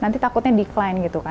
nanti takutnya decline gitu kan